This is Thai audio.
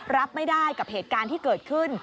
รับไม่ได้กับเหตุการณ์ที่เกิดขึ้น